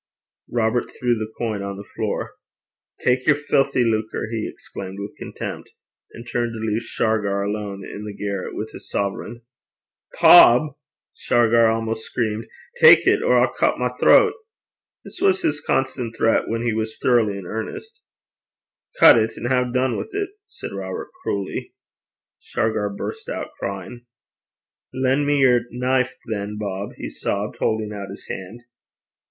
Robert threw the coin on the floor. 'Tak yer filthy lucre!' he exclaimed with contempt, and turned to leave Shargar alone in the garret with his sovereign. 'Bob!' Shargar almost screamed, 'tak it, or I'll cut my throat.' This was his constant threat when he was thoroughly in earnest. 'Cut it, an' hae dune wi' 't,' said Robert cruelly. Shargar burst out crying. 'Len' me yer knife, than, Bob,' he sobbed, holding out his hand.